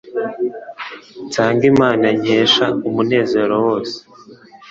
nsange Imana nkesha umunezero wose